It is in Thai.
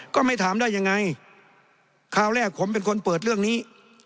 ก็ไม่ถามได้ยังไงคราวแรกผมเป็นคนเปิดเรื่องนี้